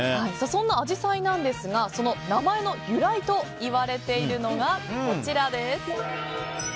そんなアジサイの名前の由来といわれているのがこちら。